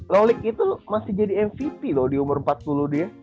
lolik itu masih jadi mvp loh di umur empat puluh dia